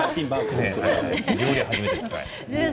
料理は初めてですね。